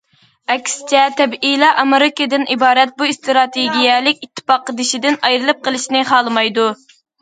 ئەكسىچە، تەبىئىيلا ئامېرىكىدىن ئىبارەت بۇ ئىستراتېگىيەلىك ئىتتىپاقدىشىدىن ئايرىلىپ قېلىشنى خالىمايدۇ.